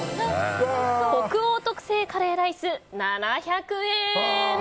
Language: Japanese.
北欧特製カレーライス、７００円。